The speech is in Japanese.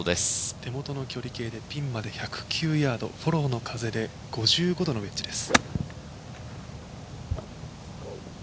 手元の距離計でピンまで１５０ヤード、フォローの風で５５度のウェッジです。